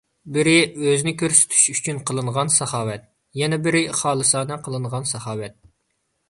بىرى، ئۆزىنى كۆرسىتىش ئۈچۈن قىلىنغان ساخاۋەت. يەنە بىرى، خالىسانە قىلىنغان ساخاۋەت.